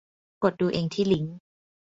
กดดูเองที่ลิงก์